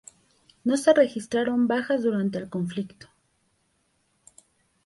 No se registraron bajas durante el conflicto.